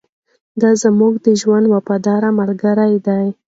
دا زموږ د ژوند وفاداره ملګرې ده.